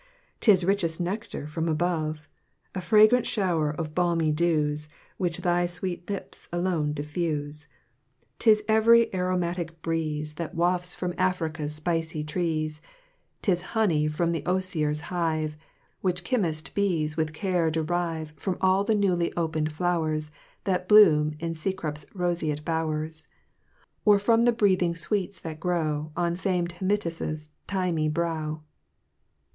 'Tis richest nectar from above! A fragrant shower of balmy dews, Which thy sweet lips alone diffuse! 'Tis every aromatic breeze, That wafts from Africa's spicy trees; 'Tis honey from the osier hive, Which chymist bees with care derive From all the newly opened flowers That bloom in Cecrop's roseate bowers, Or from the breathing sweets that grow On famed Hymettus' thymy brow.